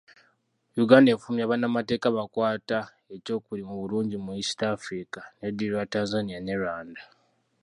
Uganda efulumya bannamateeka abakwata ekyokubiri mu bulungi mu East Africa n'eddirirwa Tanzania ne Rwanda.